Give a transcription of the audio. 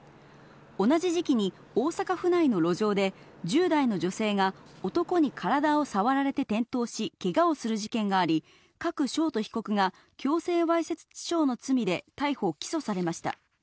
同じ時期に大阪府内の路上で１０代の女性が、男に体をさわられて転倒し、けがをする事件があり、加久翔人被告が強制わいせつ致傷の罪で逮捕・起訴されました。